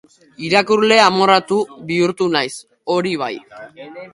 Irakurle amorratu bihurtu naiz, hori bai.